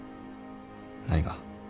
何が？